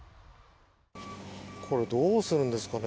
これどうするんですかね。